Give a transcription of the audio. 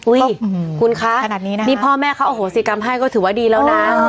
อุ้ยคุณคะนี่พ่อแม่คะสิกรรมให้ก็ถือว่าดีแล้วนะ